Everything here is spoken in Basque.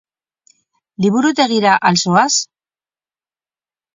Liburutegira al zoaz?